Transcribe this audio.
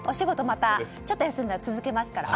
またちょっと休んだら続けますから。